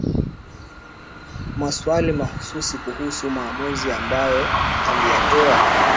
maswali mahususi kuhusu maamuzi ambayo aliyatoa